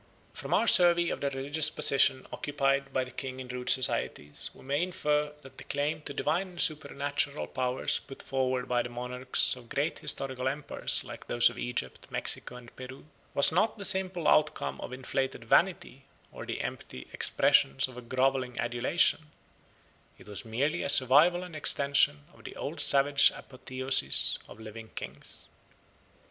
From our survey of the religious position occupied by the king in rude societies we may infer that the claim to divine and supernatural powers put forward by the monarchs of great historical empires like those of Egypt, Mexico, and Peru, was not the simple outcome of inflated vanity or the empty expression of a grovelling adulation; it was merely a survival and extension of the old savage apotheosis of living kings.